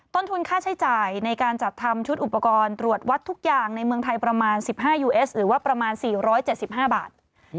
ต้นทุนค่าใช้จ่ายในการจัดทำชุดอุปกรณ์ตรวจวัดทุกอย่างในเมืองไทยประมาณ๑๕ยูเอสหรือว่าประมาณ๔๗๕บาท